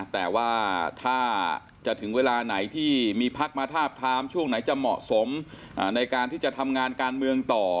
แต่ว่าถ้าจะถึงเวลาไหนที่มีพักมาทาบทามช่วงไหนจะเหมาะสมในการที่จะทำงานการเมืองต่อ